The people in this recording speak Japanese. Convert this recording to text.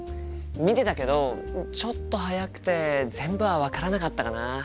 見てたけどちょっと速くて全部は分からなかったかな。